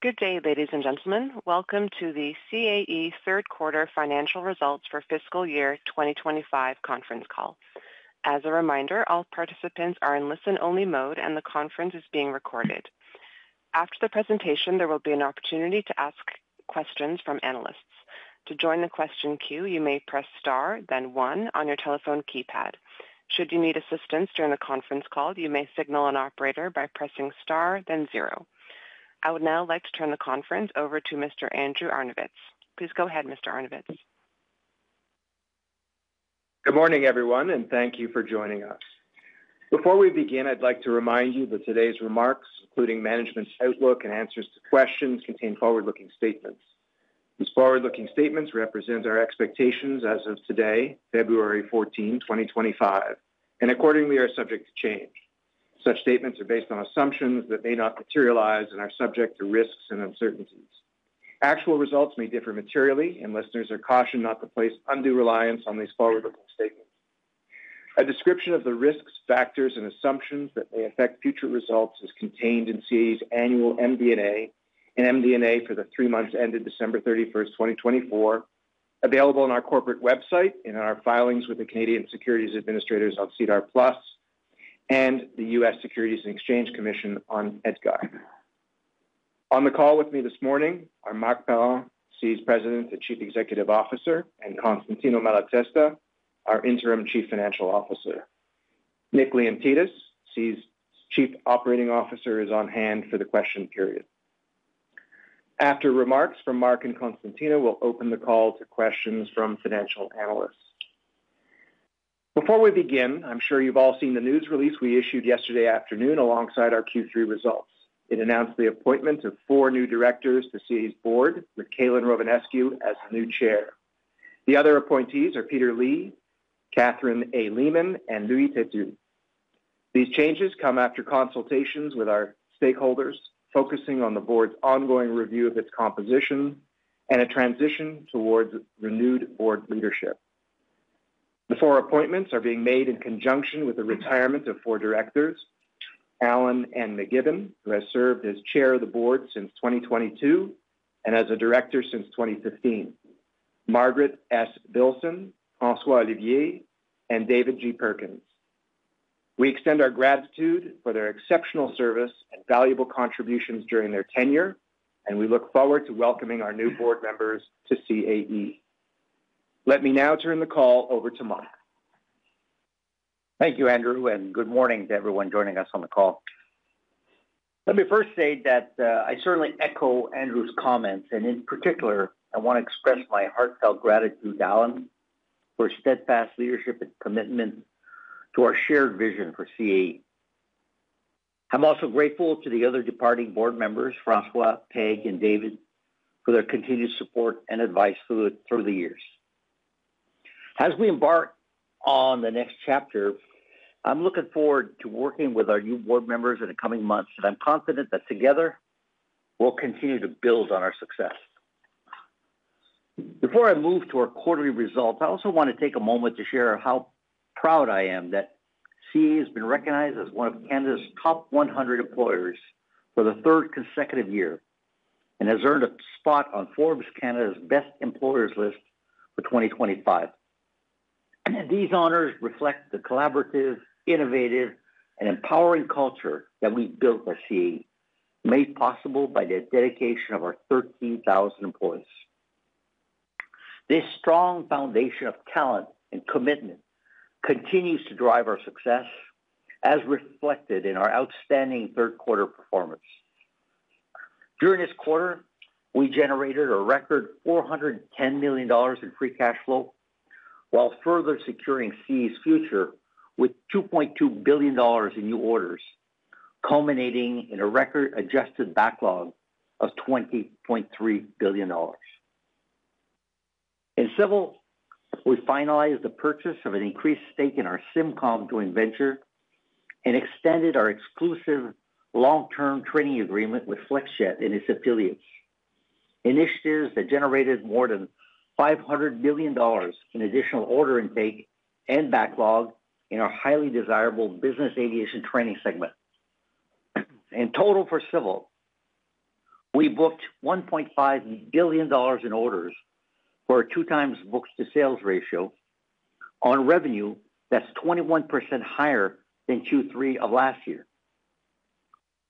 Good day, ladies and gentlemen. Welcome to the CAE Third Quarter Financial Results for Fiscal Year 2025 Conference Call. As a reminder, all participants are in listen-only mode, and the conference is being recorded. After the presentation, there will be an opportunity to ask questions from analysts. To join the question queue, you may press star, then one, on your telephone keypad. Should you need assistance during the conference call, you may signal an operator by pressing star, then zero. I would now like to turn the conference over to Mr. Andrew Arnovitz. Please go ahead, Mr. Arnovitz. Good morning, everyone, and thank you for joining us. Before we begin, I'd like to remind you that today's remarks, including management's outlook and answers to questions, contain forward-looking statements. These forward-looking statements represent our expectations as of today, February 14, 2025, and accordingly are subject to change. Such statements are based on assumptions that may not materialize and are subject to risks and uncertainties. Actual results may differ materially, and listeners are cautioned not to place undue reliance on these forward-looking statements. A description of the risks, factors, and assumptions that may affect future results is contained in CAE's annual MD&A and MD&A for the three months ended December 31, 2024, available on our corporate website and in our filings with the Canadian Securities Administrators on SEDAR+ and the U.S. Securities and Exchange Commission on EDGAR. On the call with me this morning, our Marc Parent, CAE's President and Chief Executive Officer, and Constantino Malatesta, our Interim Chief Financial Officer. Nick Leontidis, CAE's Chief Operating Officer, is on hand for the question period. After remarks from Marc and Constantino, we'll open the call to questions from financial analysts. Before we begin, I'm sure you've all seen the news release we issued yesterday afternoon alongside our Q3 results. It announced the appointment of four new directors to CAE's board, with Calin Rovinescu as the new Chair. The other appointees are Peter Lee, Katherine A. Lehman, and Louis Têtu. These changes come after consultations with our stakeholders, focusing on the board's ongoing review of its composition and a transition towards renewed board leadership. The four appointments are being made in conjunction with the retirement of four directors: Alan N. MacGibbon, who has served as chair of the board since 2022 and as a director since 2015. Margaret S. Billson, François Olivier, and David G. Perkins. We extend our gratitude for their exceptional service and valuable contributions during their tenure, and we look forward to welcoming our new board members to CAE. Let me now turn the call over to Marc. Thank you, Andrew, and good morning to everyone joining us on the call. Let me first say that I certainly echo Andrew's comments, and in particular, I want to express my heartfelt gratitude to Alan for his steadfast leadership and commitment to our shared vision for CAE. I'm also grateful to the other departing board members, François, Peggy, and David, for their continued support and advice through the years. As we embark on the next chapter, I'm looking forward to working with our new board members in the coming months, and I'm confident that together, we'll continue to build on our success. Before I move to our quarterly results, I also want to take a moment to share how proud I am that CAE has been recognized as one of Canada's Top 100 Employers for the third consecutive year and has earned a spot on Forbes Canada's Best Employers list for 2025. These honors reflect the collaborative, innovative, and empowering culture that we've built for CAE, made possible by the dedication of our 13,000 employees. This strong foundation of talent and commitment continues to drive our success, as reflected in our outstanding third quarter performance. During this quarter, we generated a record 410 million dollars in free cash flow while further securing CAE's future with 2.2 billion dollars in new orders, culminating in a record adjusted backlog of 20.3 billion dollars. In Civil, we finalized the purchase of an increased stake in our SIMCOM joint venture and extended our exclusive long-term training agreement with Flexjet and its affiliates, initiatives that generated more than $500 million in additional order intake and backlog in our highly desirable business aviation training segment. In total for Civil, we booked 1.5 billion dollars in orders for a two-times book-to-sales ratio on revenue that's 21% higher than Q3 of last year.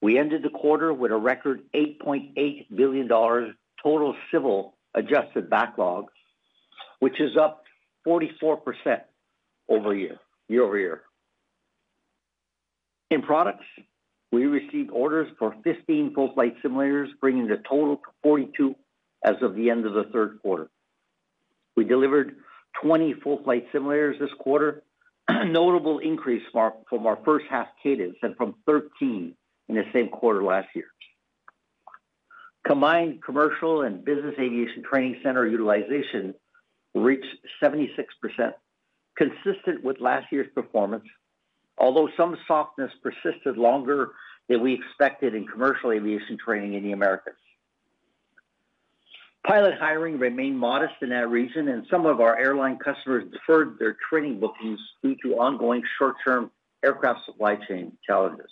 We ended the quarter with a record 8.8 billion dollars total Civil-adjusted backlog, which is up 44% year-over-year. In products, we received orders for 15 full-flight simulators, bringing the total to 42 as of the end of the third quarter. We delivered 20 full-flight simulators this quarter, a notable increase from our first half cadence and from 13 in the same quarter last year. Combined commercial and business aviation training center utilization reached 76%, consistent with last year's performance, although some softness persisted longer than we expected in commercial aviation training in the Americas. Pilot hiring remained modest in that region, and some of our airline customers deferred their training bookings due to ongoing short-term aircraft supply chain challenges.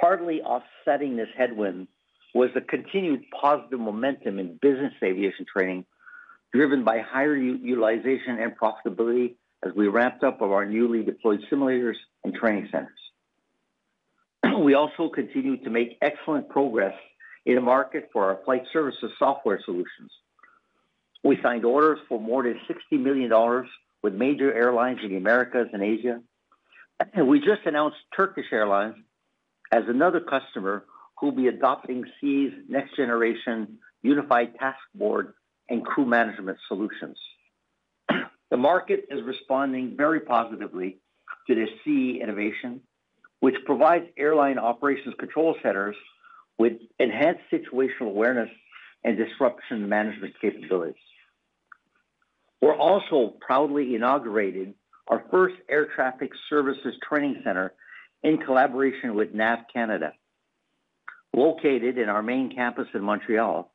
Partly offsetting this headwind was the continued positive momentum in business aviation training, driven by higher utilization and profitability as we ramped up our newly deployed simulators and training centers. We also continued to make excellent progress in the market for our flight services software solutions. We signed orders for more than 60 million dollars with major airlines in the Americas and Asia, and we just announced Turkish Airlines as another customer who will be adopting CAE's next-generation Unified Task Board and crew management solutions. The market is responding very positively to this CAE innovation, which provides airline operations control centers with enhanced situational awareness and disruption management capabilities. We're also proudly inaugurating our first air traffic services training center in collaboration with NAV CANADA. Located in our main campus in Montreal,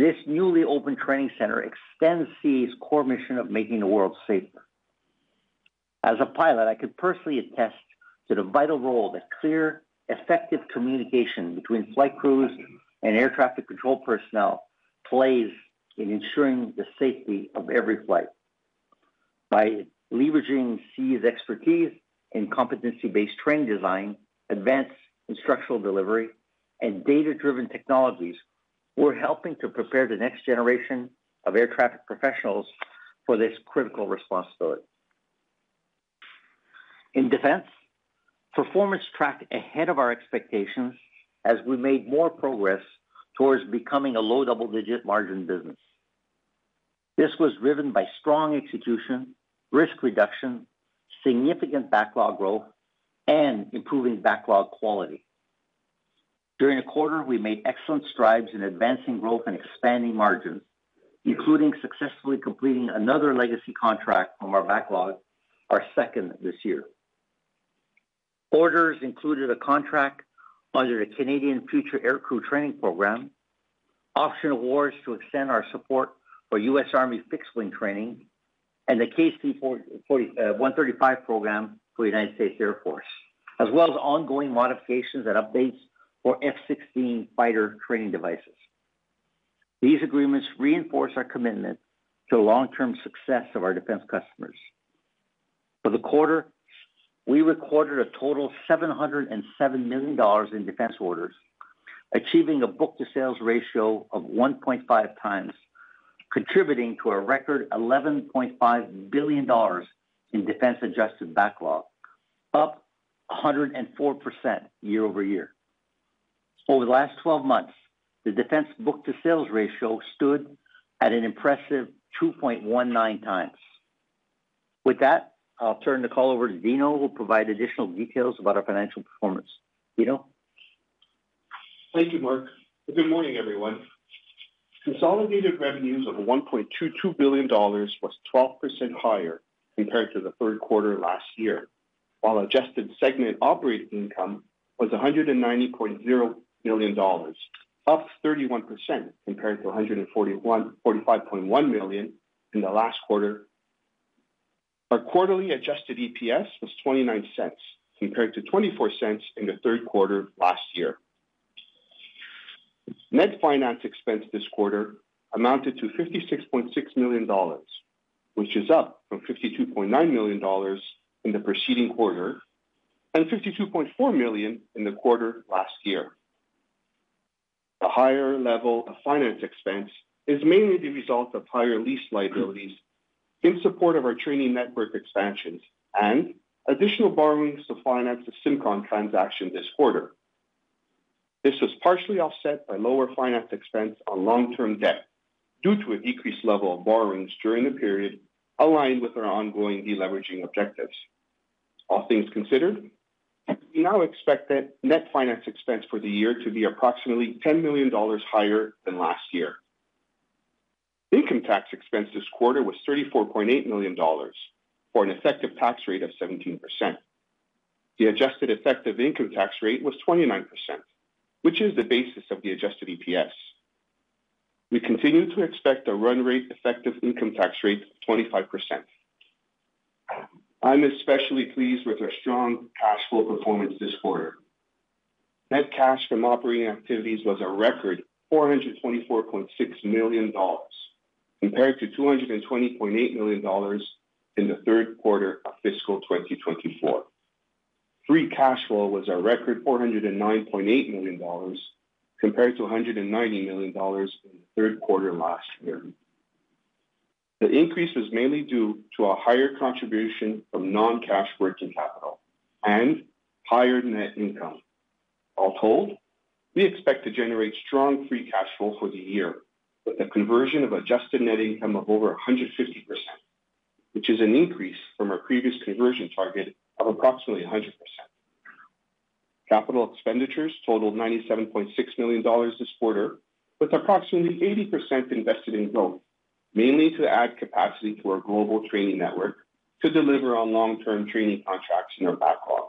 this newly opened training center extends CAE's core mission of making the world safer. As a pilot, I could personally attest to the vital role that clear, effective communication between flight crews and air traffic control personnel plays in ensuring the safety of every flight. By leveraging CAE's expertise in competency-based training design, advanced instructional delivery, and data-driven technologies, we're helping to prepare the next generation of air traffic professionals for this critical responsibility. In Defense, performance tracked ahead of our expectations as we made more progress towards becoming a low double-digit margin business. This was driven by strong execution, risk reduction, significant backlog growth, and improving backlog quality. During the quarter, we made excellent strides in advancing growth and expanding margins, including successfully completing another legacy contract from our backlog, our second this year. Orders included a contract under the Canadian Future Aircrew Training Program, option awards to extend our support for U.S. Army fixed-wing training, and the KC-135 program for the United States Air Force, as well as ongoing modifications and updates for F-16 fighter training devices. These agreements reinforce our commitment to the long-term success of our Defense customers. For the quarter, we recorded a total of 707 million dollars in Defense orders, achieving a book-to-sales ratio of 1.5x, contributing to a record 11.5 billion dollars in Defense-adjusted backlog, up 104% year-over-year. Over the last 12 months, the Defense book-to-sales ratio at an impressive 2.19x. With that, I'll turn the call over to Dino, who will provide additional details about our financial performance. Dino? Thank you, Marc. Good morning, everyone. Consolidated revenues of 1.22 billion dollars was 12% higher compared to the third quarter last year, while adjusted segment operating income was 190.0 million dollars, up 31% compared to 145.1 million in the last quarter. Our quarterly adjusted EPS was $0.29, compared to $0.24 in the third quarter last year. Net finance expense this quarter amounted to 56.6 million dollars, which is up from 52.9 million dollars in the preceding quarter and 52.4 million in the quarter last year. The higher level of finance expense is mainly the result of higher lease liabilities in support of our training network expansions and additional borrowings to finance the SIMCOM transaction this quarter. This was partially offset by lower finance expense on long-term debt due to a decreased level of borrowings during the period aligned with our ongoing deleveraging objectives. All things considered, we now expect that net finance expense for the year to be approximately 10 million dollars higher than last year. Income tax expense this quarter was 34.8 million dollars for an effective tax rate of 17%. The adjusted effective income tax rate was 29%, which is the basis of the adjusted EPS. We continue to expect a run rate effective income tax rate of 25%. I'm especially pleased with our strong cash flow performance this quarter. Net cash from operating activities was a record 424.6 million dollars compared to 220.8 million dollars in the third quarter of fiscal 2024. Free cash flow was a record 409.8 million dollars compared to 190 million dollars in the third quarter last year. The increase was mainly due to a higher contribution from non-cash working capital and higher net income. All told, we expect to generate strong free cash flow for the year with a conversion of adjusted net income of over 150%, which is an increase from our previous conversion target of approximately 100%. Capital expenditures totaled 97.6 million dollars this quarter, with approximately 80% invested in growth, mainly to add capacity to our global training network to deliver on long-term training contracts in our backlog.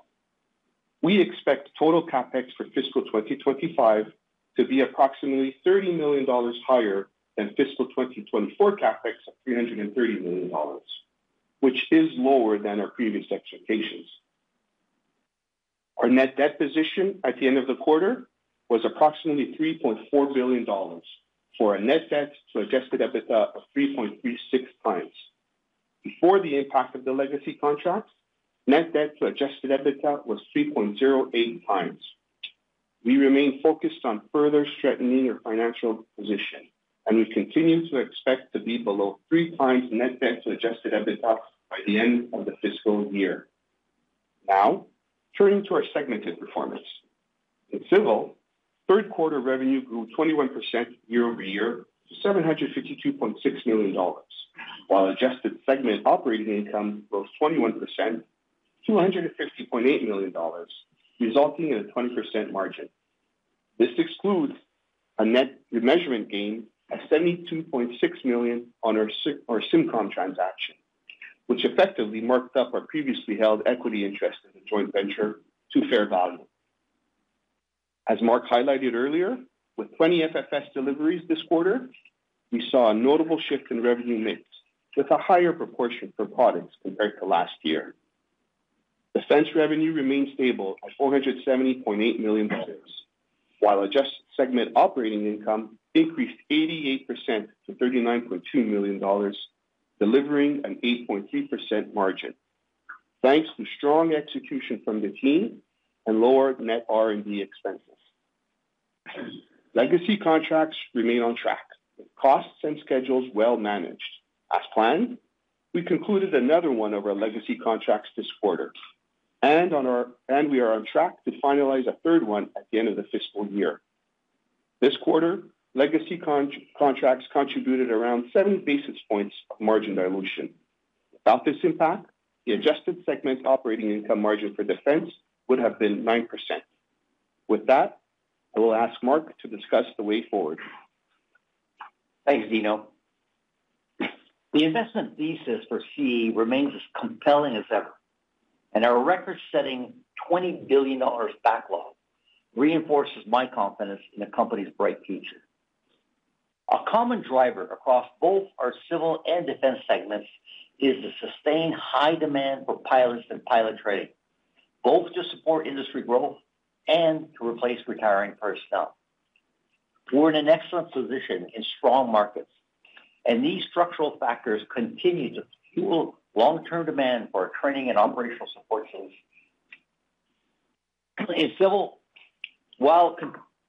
We expect total CapEx for fiscal 2025 to be approximately 30 million dollars higher than fiscal 2024 CapEx of 330 million dollars, which is lower than our previous expectations. Our net debt position at the end of the quarter was approximately 3.4 billion dollars for a net debt to adjusted EBITDA of 3.36 times. Before the impact of the legacy contract, net debt to adjusted EBITDA was 3.08 times. We remain focused on further strengthening our financial position, and we continue to expect to be below three times net debt to Adjusted EBITDA by the end of the fiscal year. Now, turning to our segmented performance. In Civil, third quarter revenue grew 21% year-over-year to 752.6 million dollars, while adjusted segment operating income rose 21% to 250.8 million dollars, resulting in a 20% margin. This excludes a net remeasurement gain of 72.6 million on our SIMCOM transaction, which effectively marked up our previously held equity interest in the joint venture to fair value. As Marc highlighted earlier, with 20 FFS deliveries this quarter, we saw a notable shift in revenue mix with a higher proportion for products compared to last year. Defense revenue remained stable at 470.8 million dollars, while adjusted segment operating income increased 88% to 39.2 million dollars, delivering an 8.3% margin, thanks to strong execution from the team and lower net R&D expenses. Legacy contracts remain on track, with costs and schedules well managed. As planned, we concluded another one of our legacy contracts this quarter, and we are on track to finalize a third one at the end of the fiscal year. This quarter, legacy contracts contributed around seven basis points of margin dilution. Without this impact, the adjusted segment operating income margin for Defense would have been 9%. With that, I will ask Marc to discuss the way forward. Thanks, Dino. The investment thesis for CAE remains as compelling as ever, and our record-setting 20 billion dollars backlog reinforces my confidence in the company's bright future. A common driver across both our Civil and Defense segments is the sustained high demand for pilots and pilot training, both to support industry growth and to replace retiring personnel. We're in an excellent position in strong markets, and these structural factors continue to fuel long-term demand for our training and operational support solutions. In Civil, while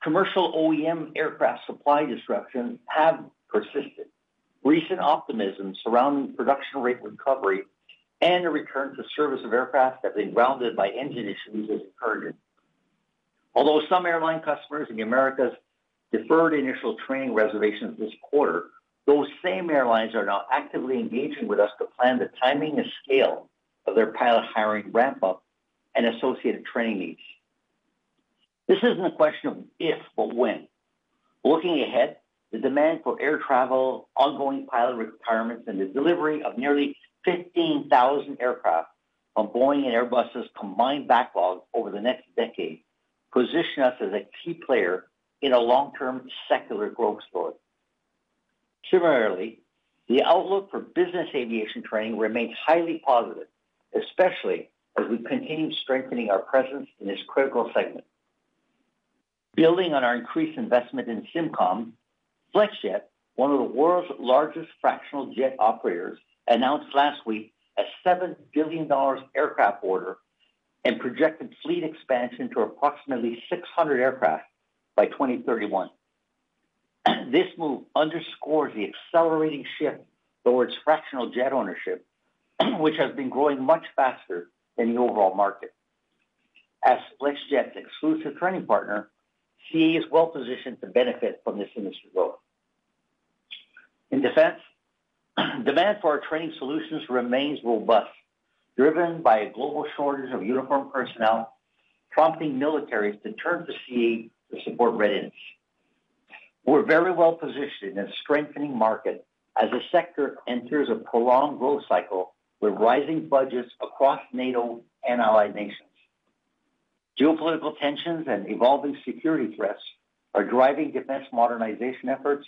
commercial OEM aircraft supply disruptions have persisted, recent optimism surrounding production rate recovery and a return to service of aircraft that have been grounded by engine issues has encouraged. Although some airline customers in the Americas deferred initial training reservations this quarter, those same airlines are now actively engaging with us to plan the timing and scale of their pilot hiring ramp-up and associated training needs. This isn't a question of if, but when. Looking ahead, the demand for air travel, ongoing pilot requirements, and the delivery of nearly 15,000 aircraft from Boeing and Airbus' combined backlog over the next decade position us as a key player in a long-term secular growth story. Similarly, the outlook for business aviation training remains highly positive, especially as we continue strengthening our presence in this critical segment. Building on our increased investment in SIMCOM, Flexjet, one of the world's largest fractional jet operators, announced last week a $7 billion aircraft order and projected fleet expansion to approximately 600 aircraft by 2031. This move underscores the accelerating shift towards fractional jet ownership, which has been growing much faster than the overall market. As Flexjet's exclusive training partner, CAE is well positioned to benefit from this industry growth. In Defense, demand for our training solutions remains robust, driven by a global shortage of uniformed personnel, prompting militaries to turn to CAE to support readiness. We're very well positioned in a strengthening market as the sector enters a prolonged growth cycle with rising budgets across NATO and allied nations. Geopolitical tensions and evolving security threats are driving Defense modernization efforts,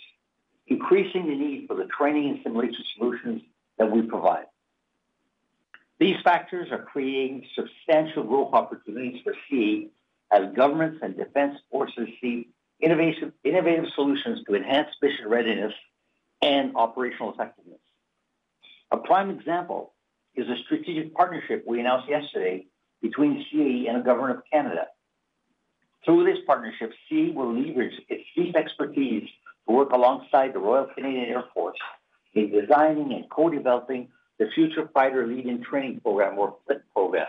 increasing the need for the training and simulation solutions that we provide. These factors are creating substantial growth opportunities for CAE as governments and Defense forces seek innovative solutions to enhance mission readiness and operational effectiveness. A prime example is the strategic partnership we announced yesterday between CAE and the Government of Canada. Through this partnership, CAE will leverage its deep expertise to work alongside the Royal Canadian Air Force in designing and co-developing the Future Fighter Lead-In Training Program or FFLIT program.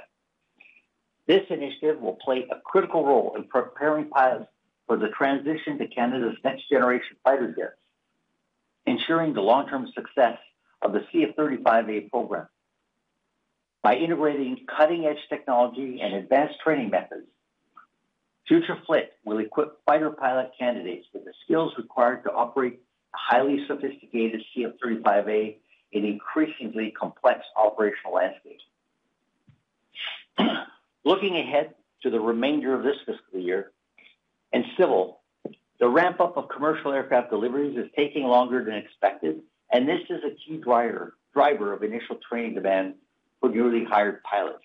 This initiative will play a critical role in preparing pilots for the transition to Canada's next-generation fighter jets, ensuring the long-term success of the CF-35A program. By integrating cutting-edge technology and advanced training methods, FFLIT will equip fighter pilot candidates with the skills required to operate a highly sophisticated CF-35A in increasingly complex operational landscapes. Looking ahead to the remainder of this fiscal year in Civil, the ramp-up of commercial aircraft deliveries is taking longer than expected, and this is a key driver of initial training demand for newly hired pilots.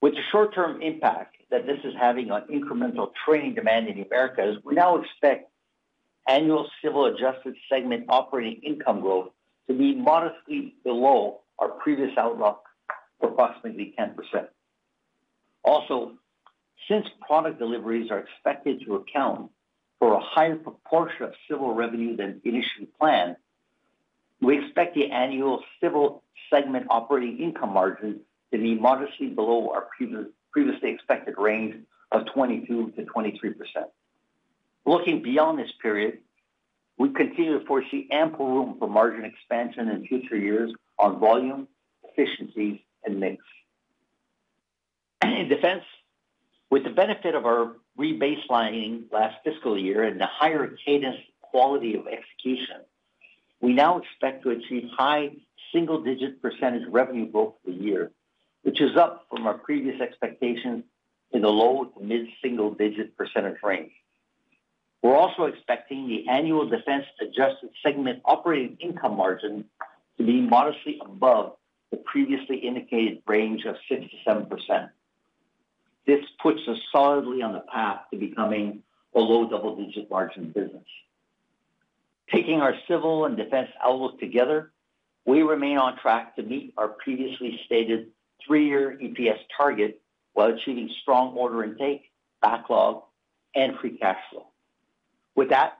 With the short-term impact that this is having on incremental training demand in the Americas, we now expect annual Civil adjusted segment operating income growth to be modestly below our previous outlook of approximately 10%. Also, since product deliveries are expected to account for a higher proportion of Civil revenue than initially planned, we expect the annual Civil segment operating income margin to be modestly below our previously expected range of 22%-23%. Looking beyond this period, we continue to foresee ample room for margin expansion in future years on volume, efficiencies, and mix. In Defense, with the benefit of our rebaselining last fiscal year and the higher cadence quality of execution, we now expect to achieve high single-digit percentage revenue growth for the year, which is up from our previous expectations in the low to mid-single-digit percentage range. We're also expecting the annual Defense-adjusted segment operating income margin to be modestly above the previously indicated range of 6%-7%. This puts us solidly on the path to becoming a low double-digit margin business. Taking our Civil and Defense outlook together, we remain on track to meet our previously stated three-year EPS target while achieving strong order intake, backlog, and free cash flow. With that,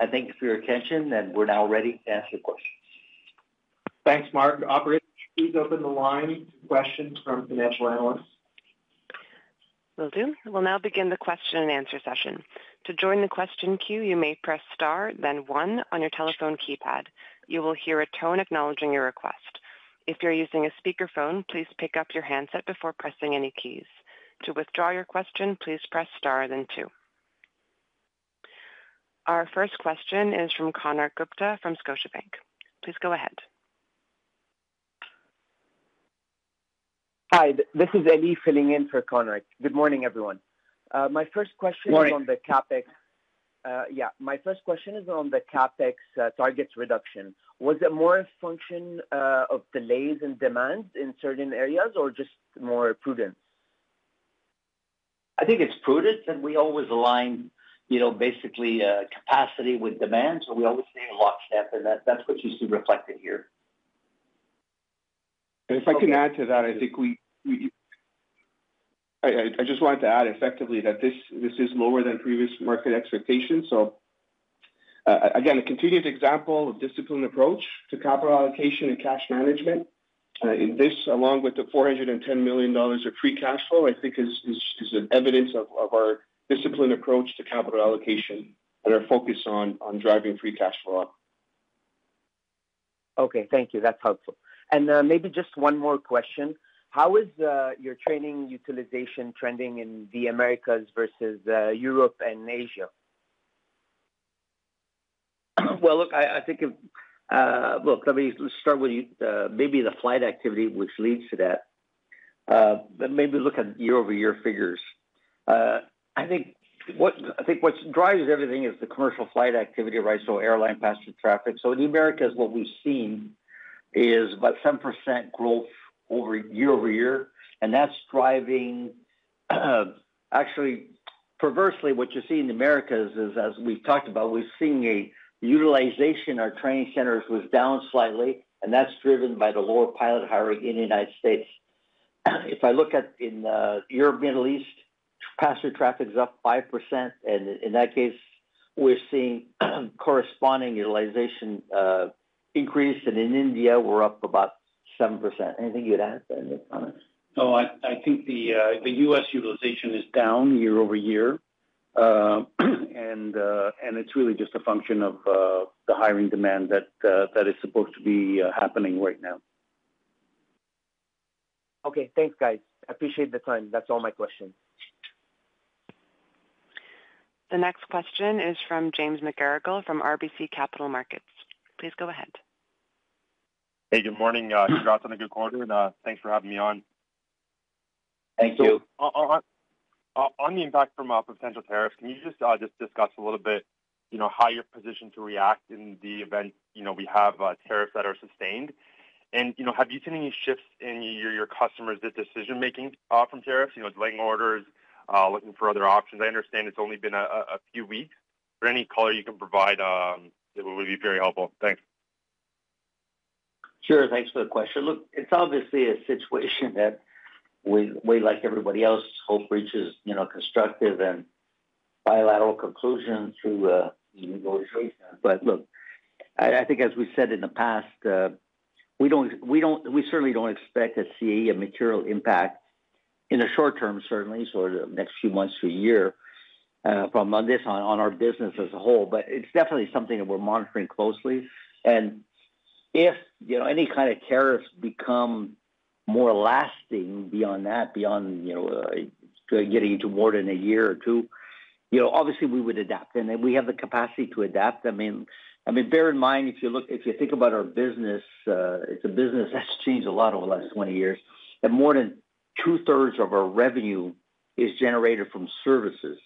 I thank you for your attention, and we're now ready to answer the questions. Thanks, Marc. Operators, please open the line to questions from financial analysts. Will do. We'll now begin the question and answer session. To join the question queue, you may press star, then one on your telephone keypad. You will hear a tone acknowledging your request. If you're using a speakerphone, please pick up your handset before pressing any keys. To withdraw your question, please press star, then two. Our first question is from Konark Gupta from Scotiabank. Please go ahead. Hi, this is Elise filling in for Konark. Good morning, everyone. My first question is on the CapEx. Morning. Yeah. My first question is on the CapEx targets reduction. Was it more a function of delays in demand in certain areas or just more prudence? I think it's prudence, and we always align basically capacity with demand, so we always stay in lock step, and that's what you see reflected here. If I can add to that, I think we just wanted to add effectively that this is lower than previous market expectations. This is again a continued example of our disciplined approach to capital allocation and cash management. This, along with the 410 million dollars of free cash flow, I think is evidence of our disciplined approach to capital allocation and our focus on driving free cash flow up. Okay. Thank you. That's helpful. And maybe just one more question. How is your training utilization trending in the Americas versus Europe and Asia? Well, look, I think, look, let me start with maybe the flight activity, which leads to that. But maybe look at year-over-year figures. I think what drives everything is the commercial flight activity, right? So airline passenger traffic. So in the Americas, what we've seen is about 7% growth year-over-year, and that's driving, actually, perversely, what you see in the Americas is, as we've talked about, we've seen a utilization, our training centers was down slightly, and that's driven by the lower pilot hiring in the United States. If I look at in Europe, Middle East, passenger traffic's up 5%, and in that case, we're seeing corresponding utilization increase, and in India, we're up about 7%. Anything you'd add to that, Nick? No, I think the U.S. utilization is down year-over-year, and it's really just a function of the hiring demand that is supposed to be happening right now. Okay. Thanks, guys. I appreciate the time. That's all my questions. The next question is from James McGarragle from RBC Capital Markets. Please go ahead. Hey, good morning. Congrats on a good quarter, and thanks for having me on. Thank you. So on the impact from potential tariffs, can you just discuss a little bit how you're positioned to react in the event we have tariffs that are sustained? And have you seen any shifts in your customers' decision-making from tariffs, delaying orders, looking for other options? I understand it's only been a few weeks. But any color you can provide, it would be very helpful. Thanks. Sure. Thanks for the question. Look, it's obviously a situation that we, like everybody else, hope reaches constructive and bilateral conclusions through negotiation. But look, I think, as we said in the past, we certainly don't expect to see a material impact in the short term, certainly, so the next few months to a year from this on our business as a whole. But it's definitely something that we're monitoring closely. And if any kind of tariffs become more lasting beyond that, beyond getting to more than a year or two, obviously, we would adapt. And then we have the capacity to adapt. I mean, bear in mind, if you think about our business, it's a business that's changed a lot over the last 20 years, that more than two-thirds of our revenue is generated from services,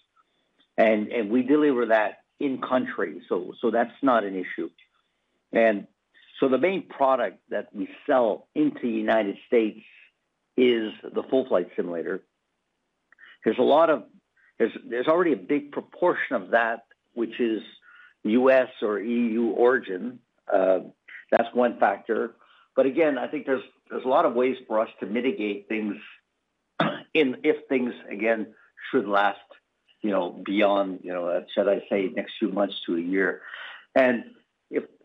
and we deliver that in-country. So that's not an issue. And so the main product that we sell into the United States is the full-flight simulator. There's already a big proportion of that, which is U.S. or E.U. origin. That's one factor. But again, I think there's a lot of ways for us to mitigate things if things, again, should last beyond, should I say, next few months to a year. And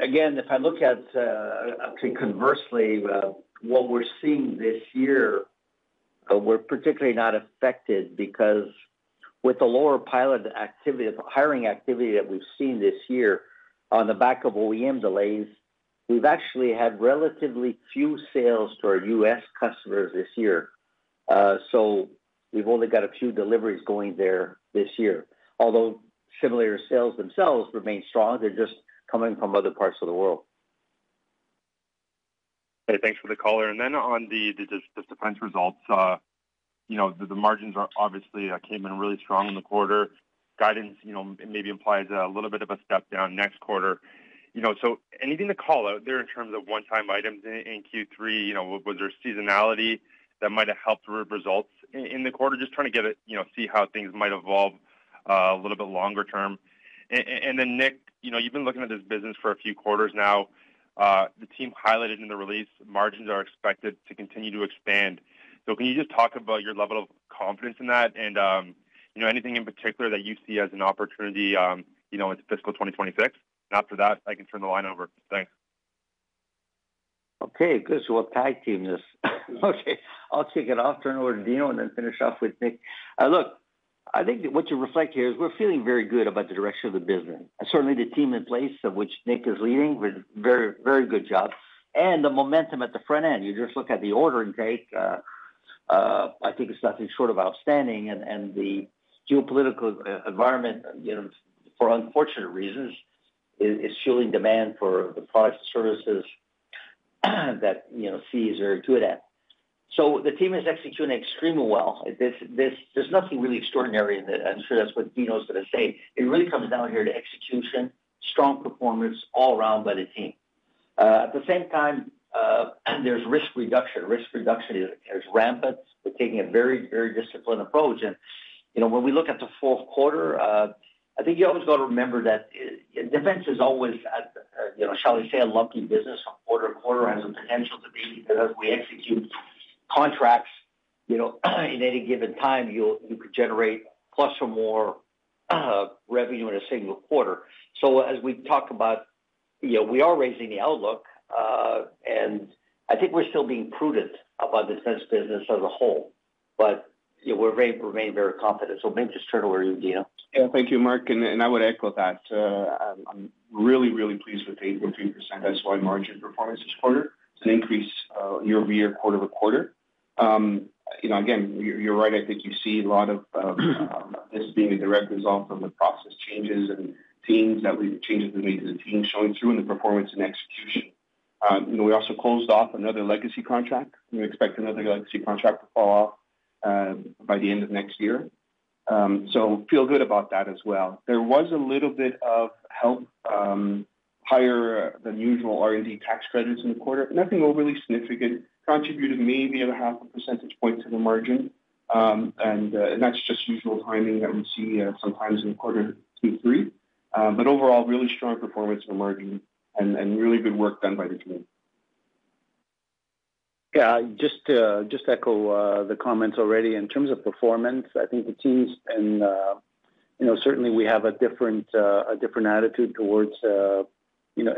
again, if I look at, I'd say, conversely, what we're seeing this year, we're particularly not affected because with the lower pilot activity, the hiring activity that we've seen this year on the back of OEM delays, we've actually had relatively few sales to our U.S. customers this year. So we've only got a few deliveries going there this year, although similar sales themselves remain strong. They're just coming from other parts of the world. Hey, thanks for the color. And then on the Defense results, the margins obviously came in really strong in the quarter. Guidance maybe implies a little bit of a step down next quarter. So anything to call out there in terms of one-time items in Q3? Was there seasonality that might have helped the results in the quarter? Just trying to get it, see how things might evolve a little bit longer term. And then, Nick, you've been looking at this business for a few quarters now. The team highlighted in the release, margins are expected to continue to expand. So can you just talk about your level of confidence in that and anything in particular that you see as an opportunity in fiscal 2026? And after that, I can turn the line over. Thanks. Okay. Good. So we'll tag team this. Okay. I'll kick it off, turn it over to Dino, and then finish off with Nick. Look, I think what you reflect here is we're feeling very good about the direction of the business. Certainly, the team in place of which Nick is leading has done a very good job. And the momentum at the front end, you just look at the order intake, I think it's nothing short of outstanding. And the geopolitical environment, for unfortunate reasons, is fueling demand for the products and services that CAE's are good at. So the team is executing extremely well. There's nothing really extraordinary in it. I'm sure that's what Dino was going to say. It really comes down here to execution, strong performance all around by the team. At the same time, there's risk reduction. Risk reduction is rampant. We're taking a very, very disciplined approach, and when we look at the fourth quarter, I think you always got to remember that Defense is always, shall we say, a lumpy business from quarter to quarter, has the potential to be because as we execute contracts in any given time, you could generate plus or more revenue in a single quarter, so as we talk about, we are raising the outlook, and I think we're still being prudent about Defense business as a whole, but we're remaining very confident, so maybe just turn it over to you, Dino. Yeah. Thank you, Marc. And I would echo that. I'm really, really pleased with 8.3%. That's why margin performance this quarter is an increase year-over-year, quarter-over-quarter. Again, you're right. I think you see a lot of this being a direct result of the process changes and changes that we've made to the team showing through in the performance and execution. We also closed off another legacy contract. We expect another legacy contract to fall off by the end of next year. So feel good about that as well. There was a little bit of help, higher than usual R&D tax credits in the quarter. Nothing overly significant. Contributed maybe a half a percentage point to the margin. And that's just usual timing that we see sometimes in quarter Q3. But overall, really strong performance of the margin and really good work done by the team. Yeah. Just to echo the comments already, in terms of performance, I think the team's been, certainly, we have a different attitude towards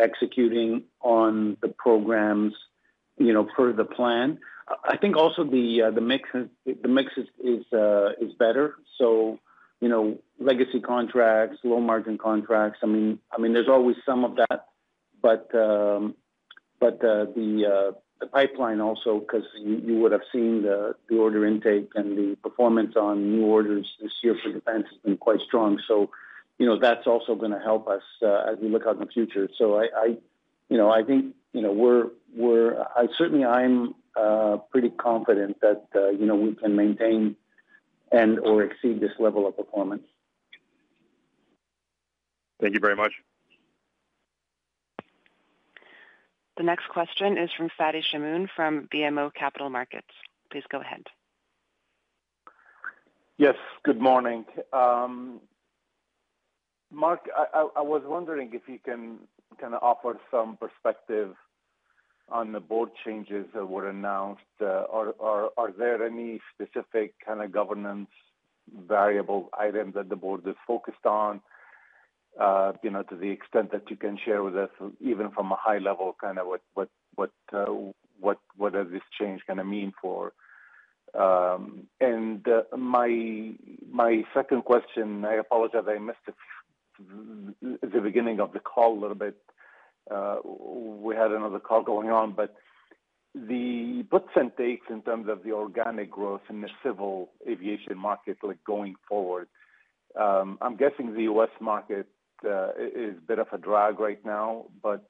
executing on the programs per the plan. I think also the mix is better, so legacy contracts, low-margin contracts, I mean, there's always some of that. But the pipeline also, because you would have seen the order intake and the performance on new orders this year for Defense has been quite strong, so that's also going to help us as we look out in the future. I think we're certainly, I'm pretty confident that we can maintain and/or exceed this level of performance. Thank you very much. The next question is from Fadi Chamoun from BMO Capital Markets. Please go ahead. Yes. Good morning. Marc, I was wondering if you can kind of offer some perspective on the board changes that were announced. Are there any specific kind of governance variable items that the board is focused on to the extent that you can share with us, even from a high level, kind of what does this change kind of mean for? And my second question, I apologize, I missed the beginning of the call a little bit. We had another call going on. But the puts and takes in terms of the organic growth in the Civil aviation market going forward, I'm guessing the U.S. market is a bit of a drag right now. But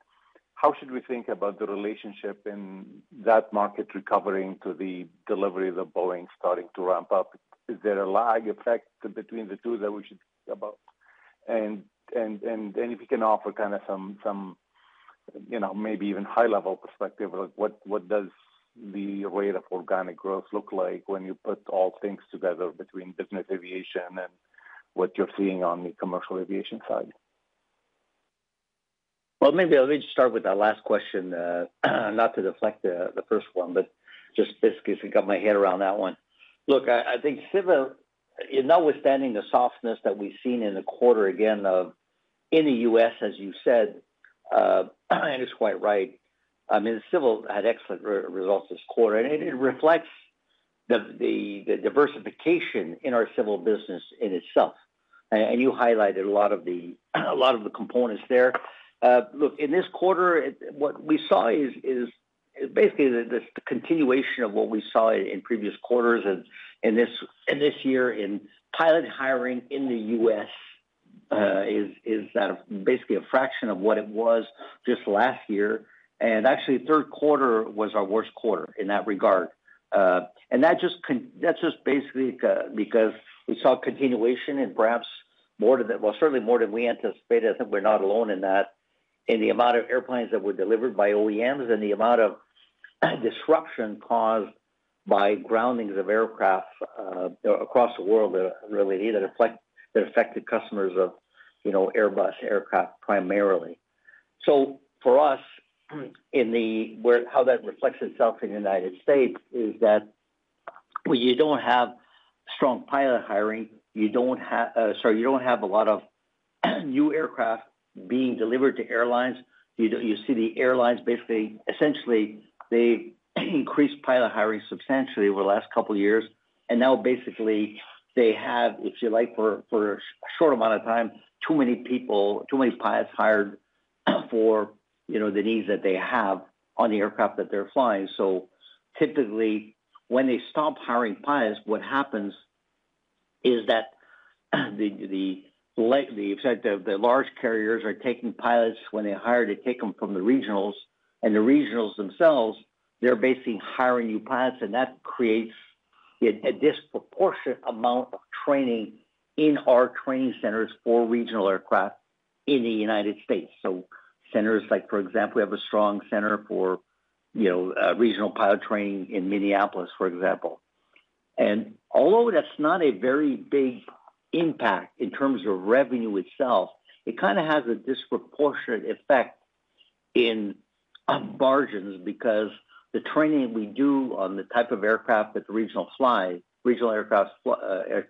how should we think about the relationship in that market recovering to the delivery of the Boeing starting to ramp up? Is there a lag effect between the two that we should think about? If you can offer kind of some maybe even high-level perspective, what does the rate of organic growth look like when you put all things together between business aviation and what you're seeing on the commercial aviation side? Maybe I'll just start with that last question, not to deflect the first one, but just basically to get my head around that one. Look, I think Civil, notwithstanding the softness that we've seen in the quarter again in the U.S., as you said, and it's quite right. I mean, Civil had excellent results this quarter, and it reflects the diversification in our Civil business in itself. And you highlighted a lot of the components there. Look, in this quarter, what we saw is basically the continuation of what we saw in previous quarters and this year in pilot hiring in the U.S. is basically a fraction of what it was just last year. And actually, third quarter was our worst quarter in that regard. And that's just basically because we saw continuation and perhaps more than well, certainly more than we anticipated. I think we're not alone in that, in the amount of airplanes that were delivered by OEMs and the amount of disruption caused by groundings of aircraft across the world that really affected customers of Airbus aircraft primarily. So for us, how that reflects itself in the United States is that when you don't have strong pilot hiring, you don't have, sorry, you don't have a lot of new aircraft being delivered to airlines. You see the airlines basically, essentially, they've increased pilot hiring substantially over the last couple of years. And now, basically, they have, if you like, for a short amount of time, too many pilots hired for the needs that they have on the aircraft that they're flying. So typically, when they stop hiring pilots, what happens is that the large carriers are taking pilots when they hire to take them from the regionals. The regionals themselves, they're basically hiring new pilots, and that creates a disproportionate amount of training in our training centers for regional aircraft in the United States. Centers like, for example, we have a strong center for regional pilot training in Minneapolis, for example. Although that's not a very big impact in terms of revenue itself, it kind of has a disproportionate effect in margins because the training we do on the type of aircraft that the regional aircraft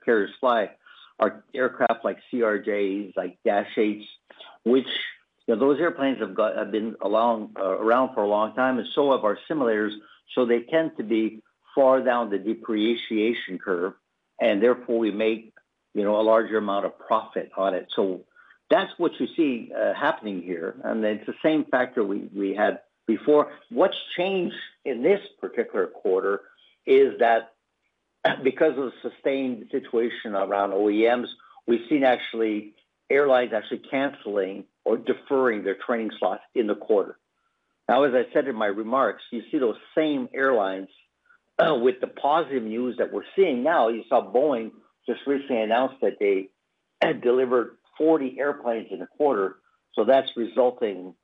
carriers fly are aircraft like CRJs, like Dash 8s, which those airplanes have been around for a long time, and so have our simulators. They tend to be far down the depreciation curve, and therefore, we make a larger amount of profit on it. That's what you see happening here. It's the same factor we had before. What's changed in this particular quarter is that because of the sustained situation around OEMs, we've seen airlines actually canceling or deferring their training slots in the quarter. Now, as I said in my remarks, you see those same airlines with the positive news that we're seeing now. You saw Boeing just recently announced that they delivered 40 airplanes in the quarter. So that's resulting,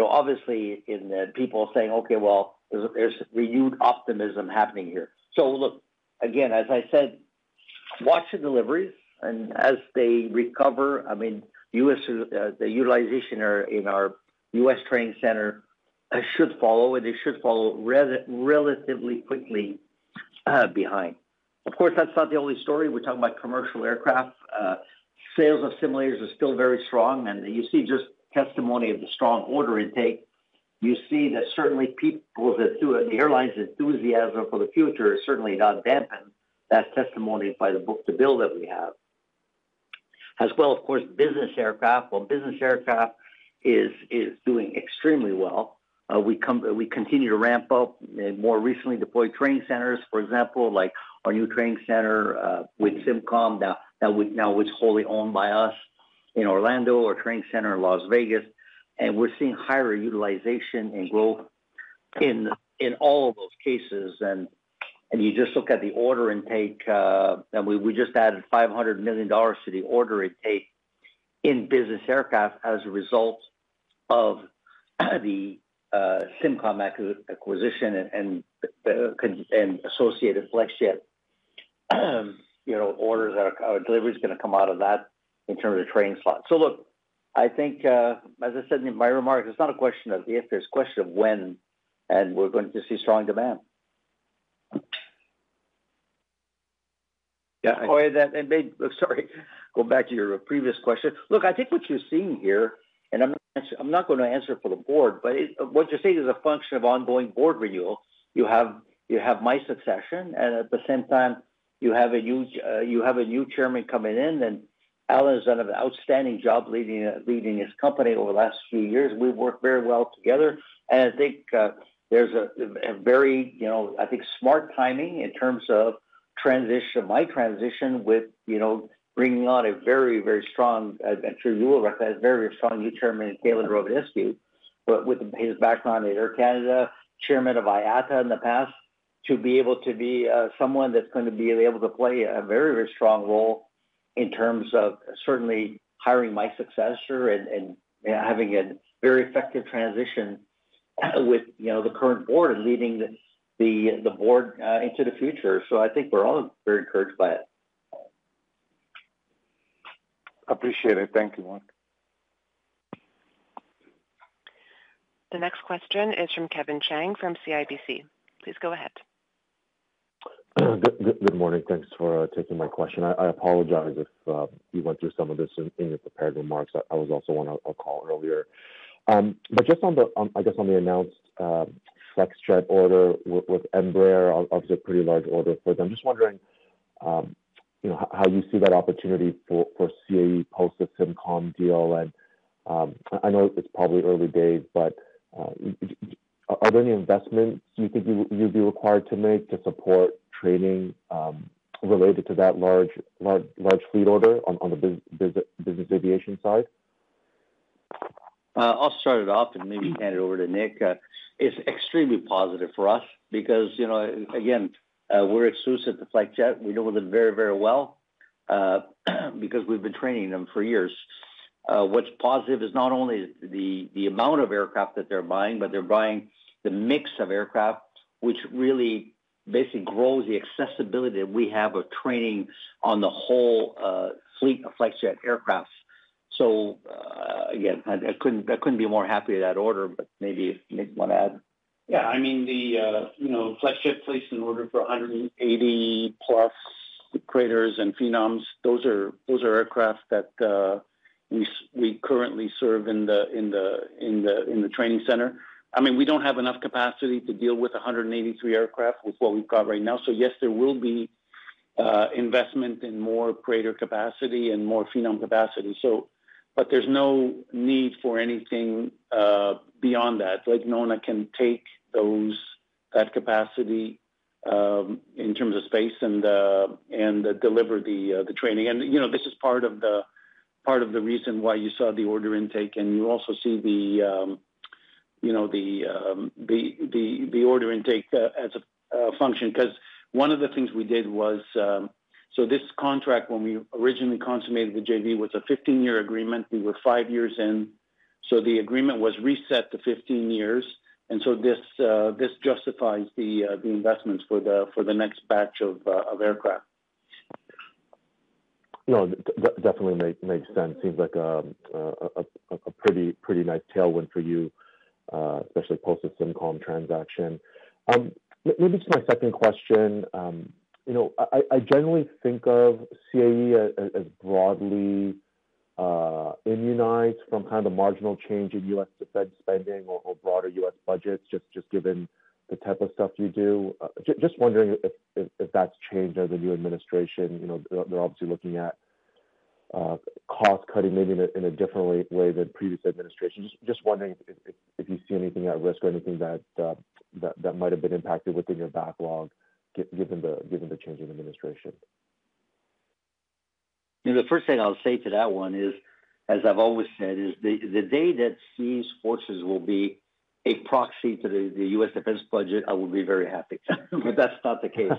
obviously, in people saying, "Okay, well, there's renewed optimism happening here." So look, again, as I said, watch the deliveries. And as they recover, I mean, the utilization in our U.S. training center should follow, and it should follow relatively quickly behind. Of course, that's not the only story. We're talking about commercial aircraft. Sales of simulators are still very strong. And you see just testimony of the strong order intake. You see that certainly the airlines' enthusiasm for the future is certainly not dampened. That's testament to the book-to-bill that we have. As well, of course, business aircraft. Business aircraft is doing extremely well. We continue to ramp up more recently deployed training centers, for example, like our new training center with SIMCOM that now is wholly owned by us in Orlando or training center in Las Vegas. And we're seeing higher utilization and growth in all of those cases. And you just look at the order intake, and we just added 500 million dollars to the order intake in business aircraft as a result of the SIMCOM acquisition and associated Flexjet orders that are delivered. It's going to come out of that in terms of training slots. So look, I think, as I said in my remarks, it's not a question of if, there's a question of when, and we're going to see strong demand. Yeah. Sorry. Go back to your previous question. Look, I think what you're seeing here, and I'm not going to answer for the board, but what you're seeing is a function of ongoing board renewal. You have my succession, and at the same time, you have a new chairman coming in, and Alan has done an outstanding job leading his company over the last few years. We've worked very well together. I think there's a very, I think, smart timing in terms of my transition with bringing on a very, very strong, and I'm sure you will recognize, very strong new chairman, Calin Rovinescu, with his background at Air Canada, chairman of IATA in the past, to be able to be someone that's going to be able to play a very, very strong role in terms of certainly hiring my successor and having a very effective transition with the current board and leading the board into the future. So I think we're all very encouraged by it. Appreciate it. Thank you, Marc. The next question is from Kevin Chiang from CIBC. Please go ahead. Good morning. Thanks for taking my question. I apologize if you went through some of this in your prepared remarks. I was also on a call earlier. But just on the, I guess, on the announced Flexjet order with Embraer, obviously a pretty large order for them. I'm just wondering how you see that opportunity for CAE post the SIMCOM deal. And I know it's probably early days, but are there any investments you think you'd be required to make to support training related to that large fleet order on the business aviation side? I'll start it off, and maybe hand it over to Nick. It's extremely positive for us because, again, we're exclusive to Flexjet. We know them very, very well because we've been training them for years. What's positive is not only the amount of aircraft that they're buying, but they're buying the mix of aircraft, which really basically grows the accessibility that we have of training on the whole fleet of Flexjet aircraft. So again, I couldn't be more happy with that order, but maybe you want to add. Yeah. I mean, the Flexjet placed an order for 180+ Praetors and Phenoms. Those are aircraft that we currently serve in the training center. I mean, we don't have enough capacity to deal with 183 aircraft with what we've got right now. So yes, there will be investment in more Praetor capacity and more Phenom capacity. But there's no need for anything beyond that. Like we can take that capacity in terms of space and deliver the training. And this is part of the reason why you saw the order intake, and you also see the order intake as a function. Because one of the things we did was so this contract, when we originally consummated the JV, was a 15-year agreement. We were five years in. So the agreement was reset to 15 years. And so this justifies the investments for the next batch of aircraft. No, definitely makes sense. Seems like a pretty nice tailwind for you, especially post the SIMCOM transaction. Maybe just my second question. I generally think of CAE as broadly immunized from kind of the marginal change in U.S. Defense spending or broader U.S. budgets, just given the type of stuff you do. Just wondering if that's changed under the new administration. They're obviously looking at cost-cutting maybe in a different way than previous administration. Just wondering if you see anything at risk or anything that might have been impacted within your backlog given the change in administration. The first thing I'll say to that one is, as I've always said, is the day that these forces will be a proxy to the U.S. Defense budget, I will be very happy. But that's not the case.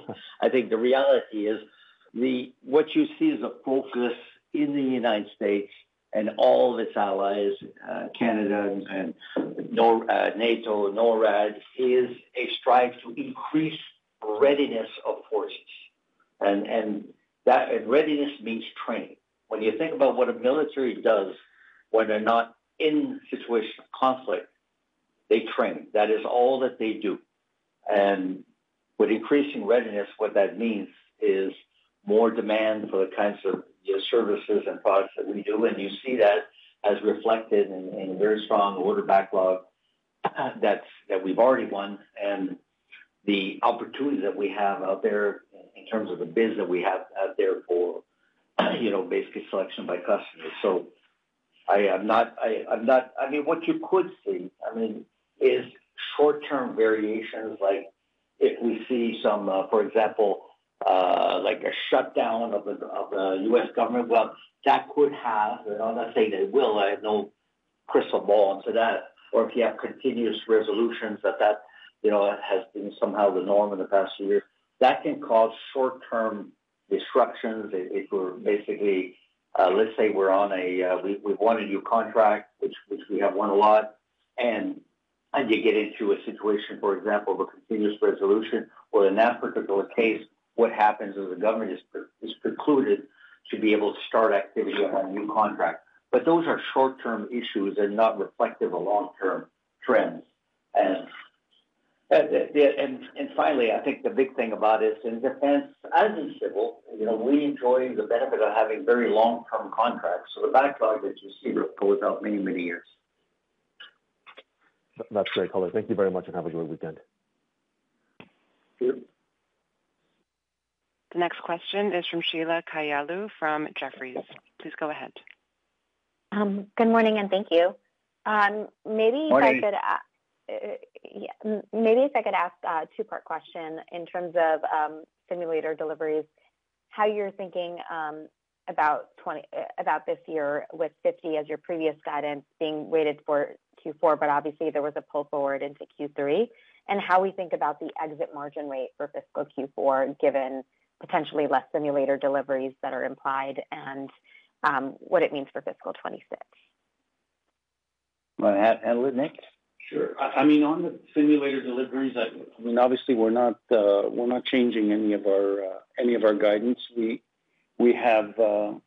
I think the reality is what you see is a focus in the United States and all of its allies, Canada and NATO, NORAD, is a strive to increase readiness of forces. And readiness means training. When you think about what a military does when they're not in situation of conflict, they train. That is all that they do. And with increasing readiness, what that means is more demand for the kinds of services and products that we do. You see that as reflected in a very strong order backlog that we've already won and the opportunity that we have out there in terms of the bids that we have out there for basically selection by customers. I mean, what you could see, I mean, is short-term variations like if we see some, for example, like a shutdown of the U.S. government, well, that could have, and I'm not saying they will, I have no crystal ball to that, or if you have continuous resolutions that has been somehow the norm in the past few years. That can cause short-term disruptions if we're basically, let's say we've won a new contract, which we have won a lot, and you get into a situation, for example, of a continuous resolution where, in that particular case, what happens is the government is precluded to be able to start activity on a new contract. But those are short-term issues and not reflective of long-term trends. And finally, I think the big thing about it is in Defense and in Civil, we enjoy the benefit of having very long-term contracts. So the backlog that you see will go without many, many years. That's great color. Thank you very much, and have a great weekend. The next question is from Sheila Kahyaoglu from Jefferies. Please go ahead. Good morning, and thank you. Maybe if I could ask a two-part question in terms of simulator deliveries, how you're thinking about this year with 50 as your previous guidance being weighted for Q4, but obviously, there was a pull forward into Q3, and how we think about the exit margin rate for fiscal Q4 given potentially less simulator deliveries that are implied and what it means for fiscal 2026. You want to add a little Nick. Sure. I mean, on the simulator deliveries, I mean, obviously, we're not changing any of our guidance. We have the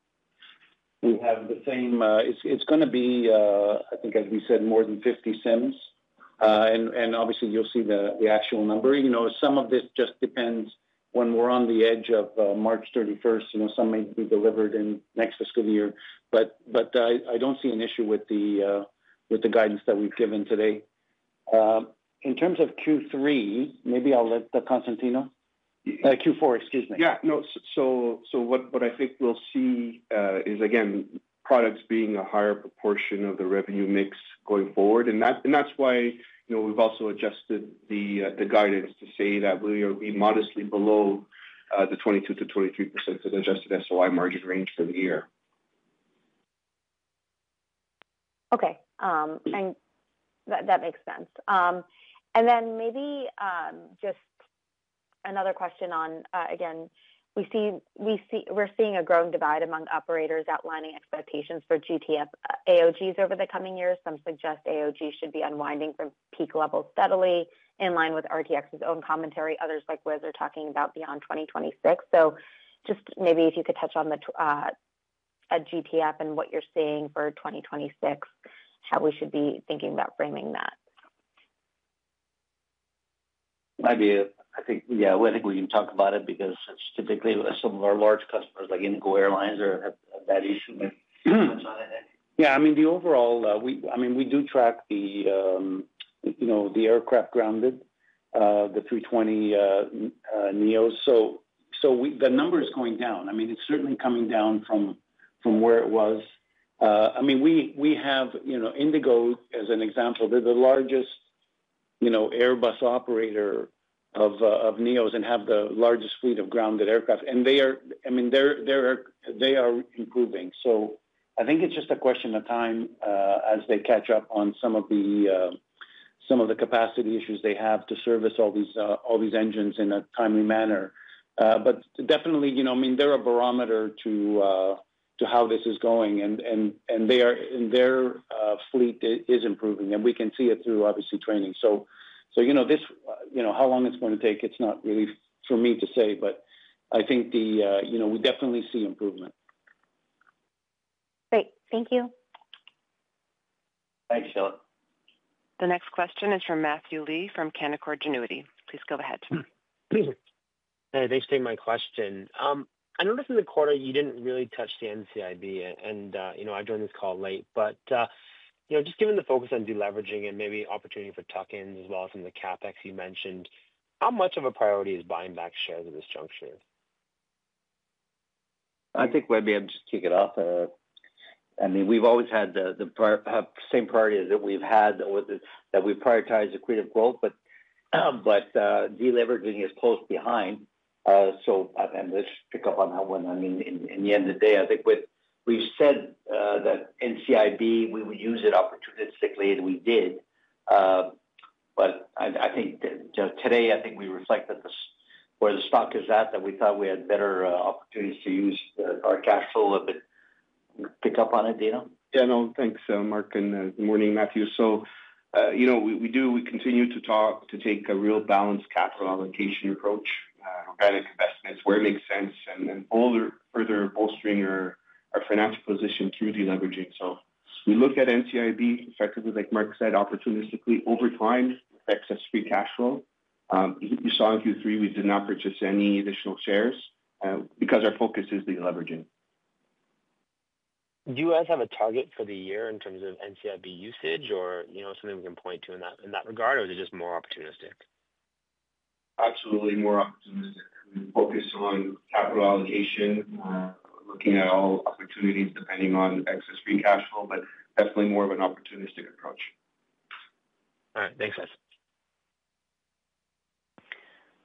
same. It's going to be, I think, as we said, more than 50 sims. And obviously, you'll see the actual number. Some of this just depends when we're on the edge of March 31st. Some may be delivered in next fiscal year. But I don't see an issue with the guidance that we've given today. In terms of Q3, maybe I'll let Constantino, the Q4, excuse me. Yeah. No. So what I think we'll see is, again, products being a higher proportion of the revenue mix going forward. And that's why we've also adjusted the guidance to say that we are modestly below the 22%-23% adjusted SOI margin range for the year. Okay. And that makes sense. And then maybe just another question on, again, we're seeing a growing divide among operators outlining expectations for GTF AOGs over the coming years. Some suggest AOGs should be unwinding from peak levels steadily in line with RTX's own commentary. Others, like Wizz, are talking about beyond 2026. So just maybe if you could touch on the GTF and what you're seeing for 2026, how we should be thinking about framing that? I think, yeah, I think we can talk about it because typically, some of our large customers like IndiGo have that issue. Yeah. I mean, the overall, I mean, we do track the aircraft grounded, the A320neos. So the number is going down. I mean, it's certainly coming down from where it was. I mean, we have IndiGo, as an example, they're the largest Airbus operator of A320neos and have the largest fleet of grounded aircraft. And I mean, they are improving. So I think it's just a question of time as they catch up on some of the capacity issues they have to service all these engines in a timely manner. But definitely, I mean, they're a barometer to how this is going. And their fleet is improving. And we can see it through, obviously, training. So how long it's going to take, it's not really for me to say. But I think we definitely see improvement. Great. Thank you. Thanks, Sheila. The next question is from Matthew Lee from Canaccord Genuity. Please go ahead. Hey, thanks for taking my question. I noticed in the quarter, you didn't really touch the NCIB, and I joined this call late. But just given the focus on deleveraging and maybe opportunity for tuck-ins as well as some of the CapEx you mentioned, how much of a priority is buying back shares at this juncture? I think, maybe, I'll just kick it off. I mean, we've always had the same priority that we've had, that we prioritize accretive growth, but deleveraging is close behind. So let's pick up on that one. I mean, in the end of the day, I think we've said that NCIB, we would use it opportunistically, and we did. But I think today, I think we reflect that where the stock is at, that we thought we had better opportunities to use our cash flow a bit. Pick up on it, Dino? Yeah. No, thanks, Marc. And good morning, Matthew. So we continue to take a real balanced capital allocation approach on guided investments where it makes sense and further bolstering our financial position through deleveraging. So we look at NCIB effectively, like Marc said, opportunistically over time affects us free cash flow. You saw in Q3, we did not purchase any additional shares because our focus is deleveraging. Do you guys have a target for the year in terms of NCIB usage or something we can point to in that regard, or is it just more opportunistic? Absolutely more opportunistic. We focus on capital allocation, looking at all opportunities depending on excess free cash flow, but definitely more of an opportunistic approach. All right. Thanks, guys.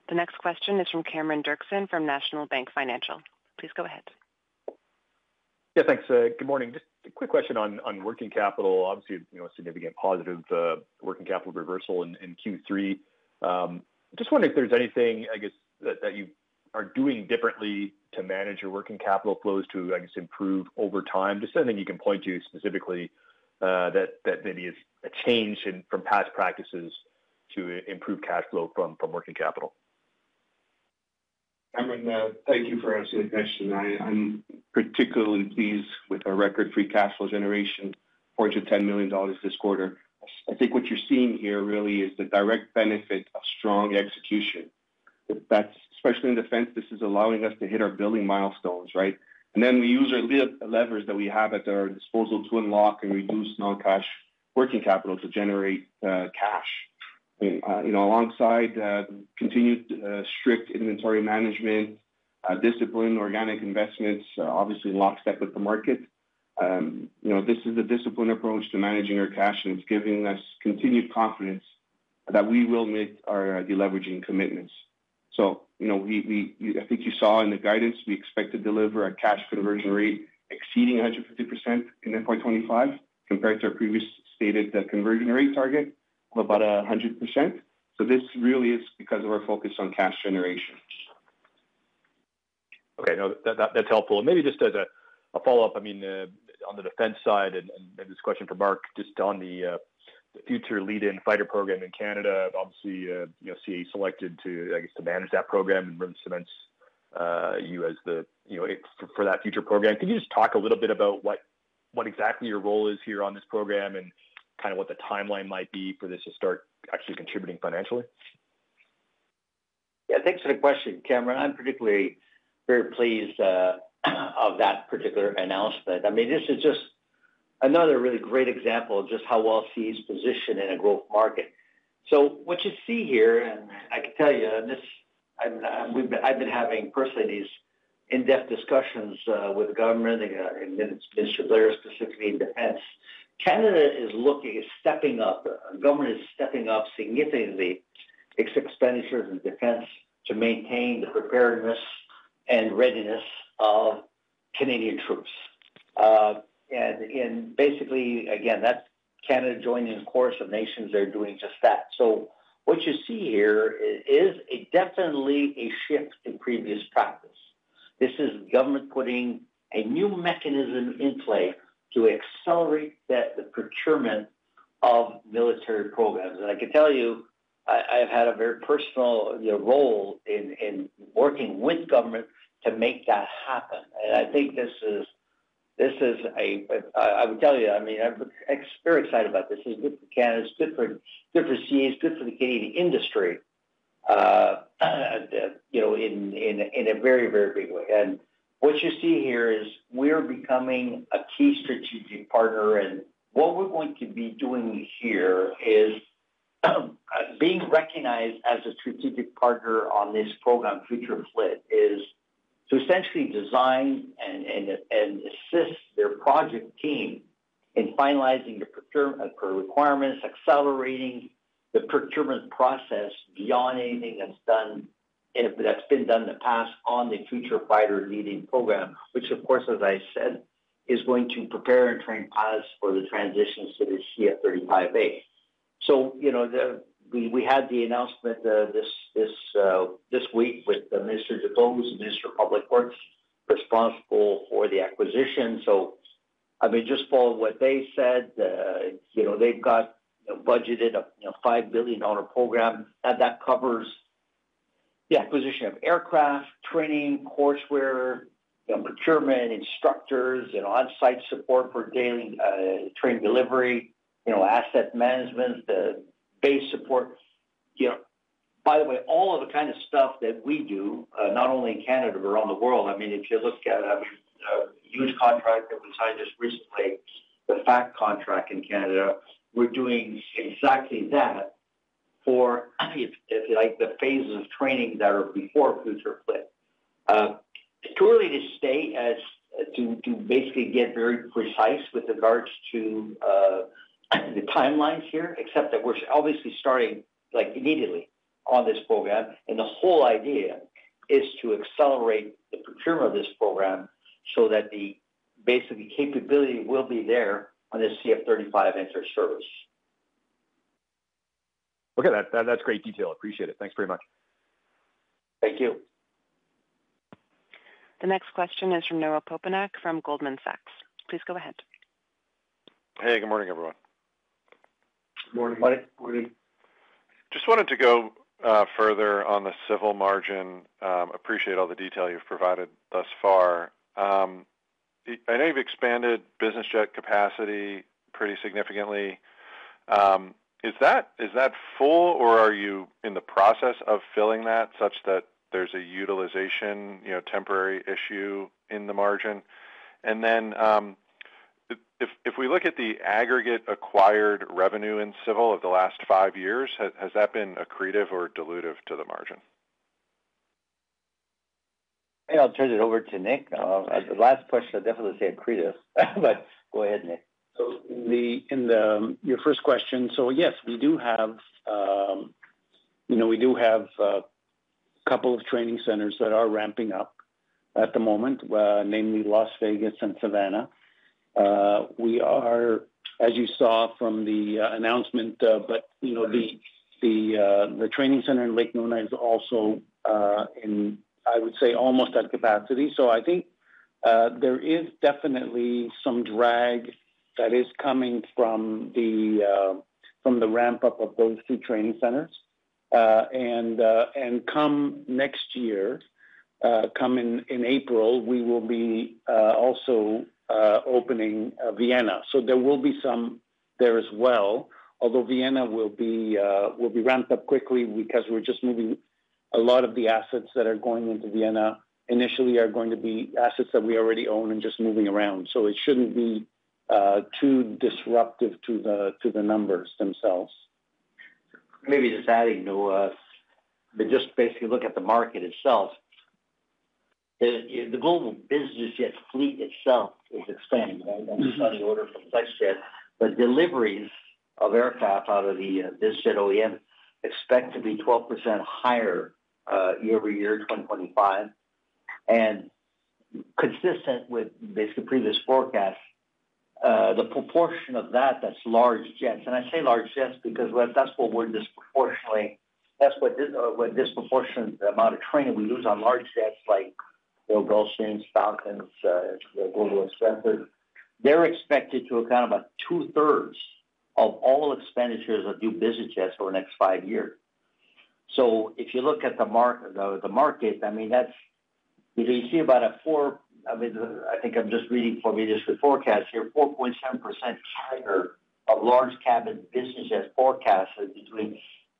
The next question is from Cameron Doerksen from National Bank Financial. Please go ahead. Yeah. Thanks. Good morning. Just a quick question on working capital. Obviously, a significant positive working capital reversal in Q3. Just wondering if there's anything, I guess, that you are doing differently to manage your working capital flows to, I guess, improve over time. Just anything you can point to specifically that maybe is a change from past practices to improve cash flow from working capital? Cameron, thank you for asking the question. I'm particularly pleased with our record free cash flow generation, 410 million dollars this quarter. I think what you're seeing here really is the direct benefit of strong execution. Especially in Defense, this is allowing us to hit our billing milestones, right? And then we use our levers that we have at our disposal to unlock and reduce non-cash working capital to generate cash. Alongside continued strict inventory management, discipline, organic investments, obviously lock step with the market. This is the disciplined approach to managing our cash, and it's giving us continued confidence that we will meet our deleveraging commitments. So I think you saw in the guidance, we expect to deliver a cash conversion rate exceeding 150% in FY25 compared to our previous stated conversion rate target of about 100%. So this really is because of our focus on cash generation. Okay. No, that's helpful. And maybe just as a follow-up, I mean, on the Defense side, and maybe this question for Marc, just on the Future Lead-in Fighter program in Canada, obviously, CAE selected to, I guess, manage that program and really cements you as the, for that future program. Can you just talk a little bit about what exactly your role is here on this program and kind of what the timeline might be for this to start actually contributing financially? Yeah. Thanks for the question, Cameron. I'm particularly very pleased of that particular announcement. I mean, this is just another really great example of just how well CAE's position in a growth market, so what you see here, and I can tell you, I've been having personally these in-depth discussions with the government and then it's been shared later specifically in Defense. Canada is stepping up. The government is stepping up significantly its expenditures in Defense to maintain the preparedness and readiness of Canadian troops, and basically, again, that's Canada joining a chorus of nations that are doing just that, so what you see here is definitely a shift in previous practice. This is government putting a new mechanism in play to accelerate the procurement of military programs, and I can tell you, I've had a very personal role in working with government to make that happen. I think this is. I would tell you, I mean, I'm very excited about this. It's good for Canada, it's good for CAE, it's good for the Canadian industry in a very, very big way. What you see here is we're becoming a key strategic partner. What we're going to be doing here is being recognized as a strategic partner on this program, FFLIT, is to essentially design and assist their project team in finalizing the procurement for requirements, accelerating the procurement process beyond anything that's been done in the past on the Future Fighter Lead-in program, which, of course, as I said, is going to prepare and train pilots for the transitions to the CF-35A. We had the announcement this week with the Minister Duclos, who's the Minister of Public Works responsible for the acquisition. I mean, just follow what they said. They've got budgeted a 5 billion dollar program. That covers the acquisition of aircraft, training, courseware, procurement, instructors, on-site support for daily training delivery, asset management, the base support. By the way, all of the kind of stuff that we do, not only in Canada, but around the world. I mean, if you look at a huge contract that was signed just recently, the FAcT contract in Canada, we're doing exactly that for the phases of training that are before Future FFLIT. It's too early to say as to basically get very precise with regards to the timelines here, except that we're obviously starting immediately on this program. And the whole idea is to accelerate the procurement of this program so that basically capability will be there on the CF-35 enter service. Okay. That's great detail. Appreciate it. Thanks very much. Thank you. The next question is from Noah Popinak from Goldman Sachs. Please go ahead. Hey, good morning, everyone. Good morning. Morning. Just wanted to go further on the Civil margin. Appreciate all the detail you've provided thus far. I know you've expanded business jet capacity pretty significantly. Is that full, or are you in the process of filling that such that there's a utilization temporary issue in the margin? And then if we look at the aggregate acquired revenue in Civil of the last five years, has that been accretive or dilutive to the margin? Hey, I'll turn it over to Nick. The last question, I definitely say accretive. But go ahead, Nick. In your first question, yes, we do have a couple of training centers that are ramping up at the moment, namely Las Vegas and Savannah. We are, as you saw from the announcement. But the training center in Lake Nona is also in, I would say, almost at capacity. So I think there is definitely some drag that is coming from the ramp-up of those two training centers. Come next year, in April, we will be also opening Vienna. So there will be some there as well. Although Vienna will be ramped up quickly because we're just moving a lot of the assets that are going into Vienna initially are going to be assets that we already own and just moving around. So it shouldn't be too disruptive to the numbers themselves. Maybe just adding, Noah, just basically look at the market itself. The global business jet fleet itself is expanding, right? That's not the order for fleet jets. But deliveries of aircraft out of the business jet OEM expect to be 12% higher year over year 2025. And consistent with basically previous forecasts, the proportion of that that's large jets—and I say large jets because that's what we're disproportionately—that's what disproportionately the amount of training we lose on large jets like the Gulfstreams, Falcons, the Global Expresses. They're expected to account about 2/3 of all expenditures of new business jets over the next five years. So if you look at the market, I mean, that's—you see about a four—I mean, I think I'm just reading for me this forecast here, 4.7% CAGR of large cabin business jet forecasts between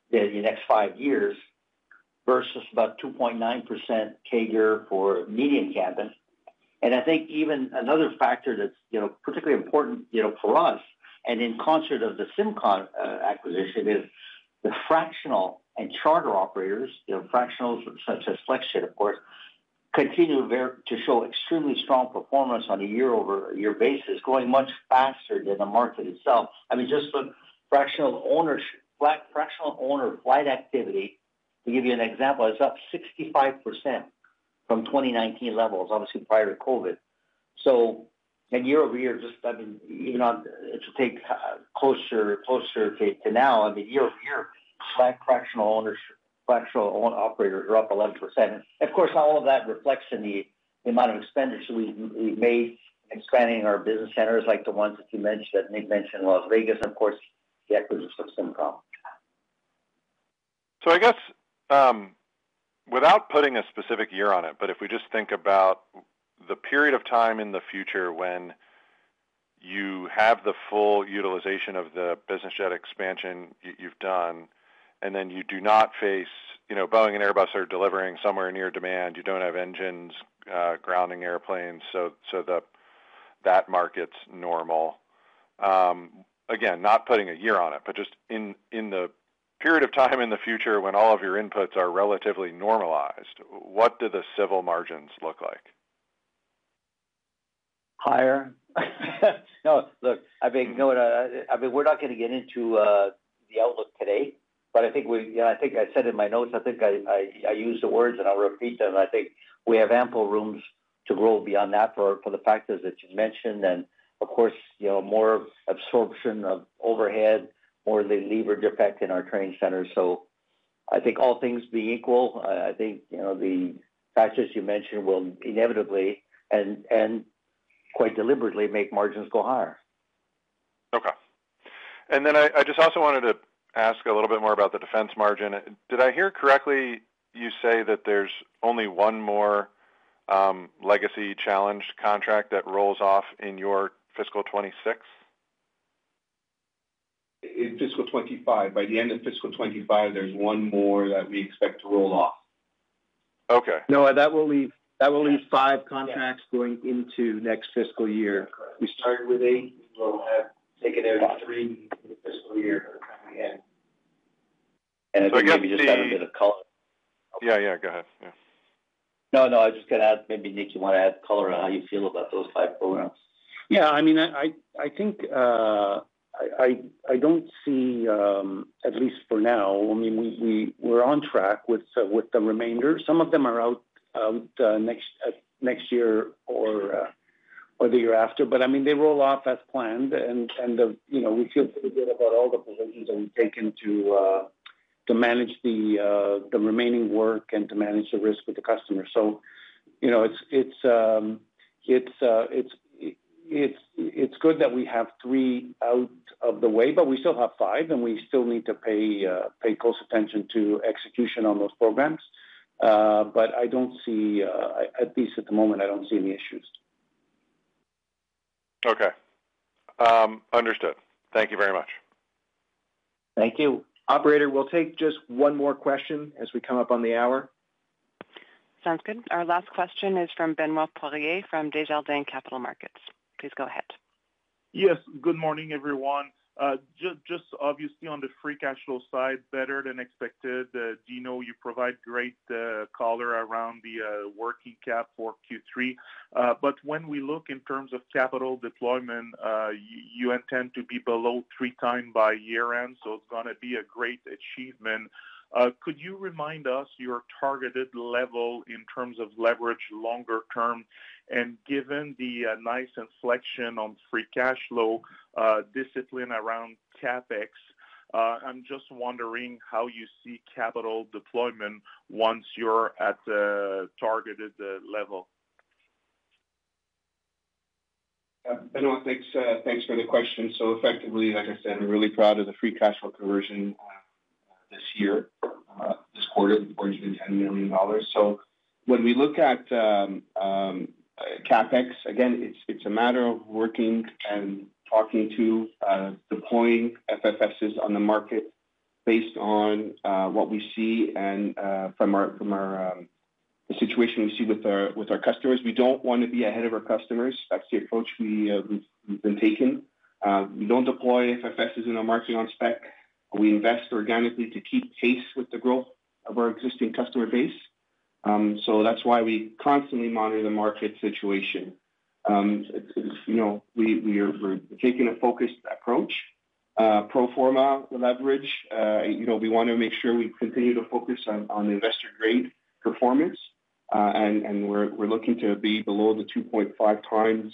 the next five years versus about 2.9% CAGR for medium cabin. I think even another factor that's particularly important for us and in concert of the SIMCOM acquisition is the fractional and charter operators, fractionals such as Flexjet, of course, continue to show extremely strong performance on a year-over-year basis, going much faster than the market itself. I mean, just look, fractional owner flight activity, to give you an example, is up 65% from 2019 levels, obviously prior to COVID. So year-over-year, just. I mean, even to take closer to now, I mean, year over year, fractional operators are up 11%. And of course, all of that reflects in the amount of expenditure we've made expanding our business centers like the ones that you mentioned, that Nick mentioned, Las Vegas. Of course, the acquisition of SIMCOM. So, I guess without putting a specific year on it, but if we just think about the period of time in the future when you have the full utilization of the business jet expansion you've done, and then you do not face Boeing and Airbus are delivering somewhere near demand, you don't have engines grounding airplanes, so that market's normal. Again, not putting a year on it, but just in the period of time in the future when all of your inputs are relatively normalized, what do the Civil margins look like? Higher. No, look, I mean, Noah, I mean, we're not going to get into the outlook today, but I think we, I think I said in my notes, I think I used the words and I'll repeat them. I think we have ample room to grow beyond that for the factors that you mentioned. And of course, more absorption of overhead, more of the leverage effect in our training centers. So I think all things being equal, I think the factors you mentioned will inevitably and quite deliberately make margins go higher. Okay. And then I just also wanted to ask a little bit more about the Defense margin. Did I hear correctly you say that there's only one more legacy contract that rolls off in your fiscal 2026? In fiscal 2025, by the end of fiscal 2025, there's one more that we expect to roll off. Okay. Noah, that will leave five contracts going into next fiscal year. We started with eight, we'll take it down to three in the fiscal year coming in, and I think maybe just add a bit of color. Yeah, yeah. Go ahead. Yeah. No, no. I was just going to ask maybe Nick, you want to add color on how you feel about those five programs? Yeah. I mean, I think I don't see, at least for now, I mean, we're on track with the remainder. Some of them are out next year or the year after. But I mean, they roll off as planned. And we feel pretty good about all the positions that we've taken to manage the remaining work and to manage the risk with the customer. So it's good that we have three out of the way, but we still have five, and we still need to pay close attention to execution on those programs. But I don't see, at least at the moment, I don't see any issues. Okay. Understood. Thank you very much. Thank you. Operator, we'll take just one more question as we come up on the hour. Sounds good. Our last question is from Benoit Poirier from Desjardins Capital Markets. Please go ahead. Yes. Good morning, everyone. Just obviously on the free cash flow side, better than expected. Dino, you provide great color around the working cap for Q3. But when we look in terms of capital deployment, you intend to be below three times by year-end, so it's going to be a great achievement. Could you remind us your targeted level in terms of leverage longer term? And given the nice inflection on free cash flow discipline around CapEx, I'm just wondering how you see capital deployment once you're at the targeted level? Benoit, thanks for the question, so effectively, like I said, we're really proud of the free cash flow conversion this year, this quarter, which is 410 million dollars, so when we look at CapEx, again, it's a matter of working and talking to deploying FFSs on the market based on what we see and from the situation we see with our customers. We don't want to be ahead of our customers. That's the approach we've been taking. We don't deploy FFSs in the market on spec. We invest organically to keep pace with the growth of our existing customer base, so that's why we constantly monitor the market situation. We're taking a focused approach, pro forma leverage. We want to make sure we continue to focus on investor-grade performance, and we're looking to be below the 2.5x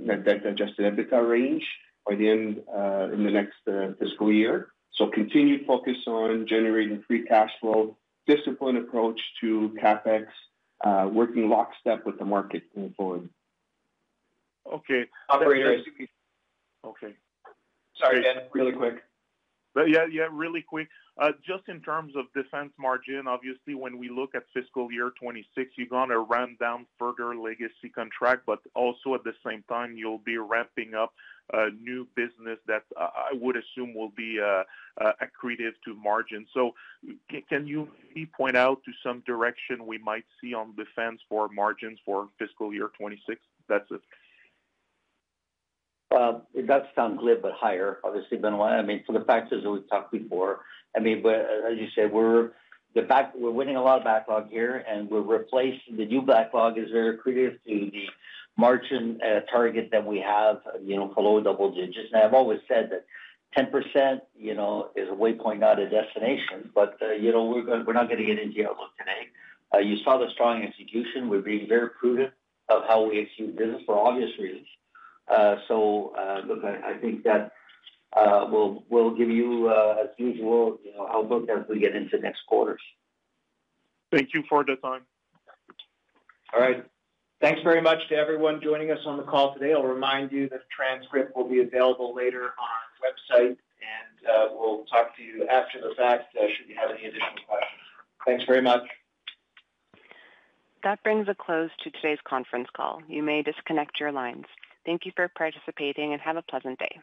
net debt Adjusted EBITDA range by the end in the next fiscal year. So continued focus on generating free cash flow, disciplined approach to CapEx, working lockstep with the market going forward. Okay. Operator, basically. Okay. Sorry, again, really quick. Yeah, yeah, really quick. Just in terms of Defense margin, obviously, when we look at fiscal year 2026, you're going to run down further legacy contracts, but also at the same time, you'll be ramping up new business that I would assume will be accretive to margin. So can you point out to some direction we might see on Defense for margins for fiscal year 2026? That's it. It does sound a little bit, but higher, obviously, Benoit. I mean, for the factors that we've talked before. I mean, but as you said, we're winning a lot of backlog here, and we're replacing the new backlog as they're accretive to the margin target that we have below double digits. And I've always said that 10% is a waypoint not a destination, but we're not going to get into the outlook today. You saw the strong execution. We're being very prudent of how we execute business for obvious reasons. So look, I think that we'll give you, as usual, outlook as we get into next quarter. Thank you for the time. All right. Thanks very much to everyone joining us on the call today. I'll remind you that the transcript will be available later on our website, and we'll talk to you after the fact should you have any additional questions. Thanks very much. That brings a close to today's conference call. You may disconnect your lines. Thank you for participating and have a pleasant day.